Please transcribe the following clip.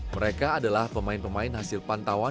mereka adalah pemain pemain hasil pantauan